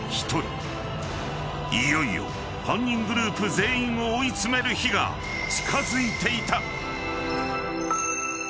［いよいよ犯人グループ全員を追い詰める日が近づいていた］